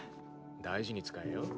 大事に使えよ？